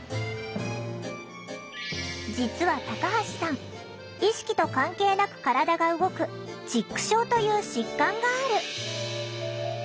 実はタカハシさん意識と関係なく体が動く「チック症」という疾患がある。